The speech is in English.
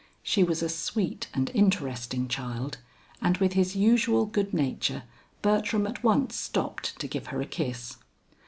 She was a sweet and interesting child, and with his usual good nature Bertram at once stopped to give her a kiss.